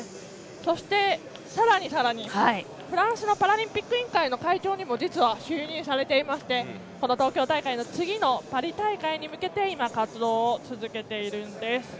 そして、さらにさらにフランスパラリンピック委員会の会長にも実は就任されていてこの東京大会の次のパリ大会に向け今、活動を続けているんです。